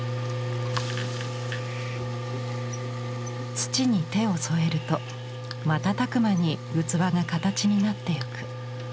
土に手を添えると瞬く間に器が形になっていく。